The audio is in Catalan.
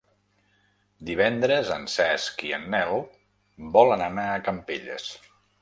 Divendres en Cesc i en Nel volen anar a Campelles.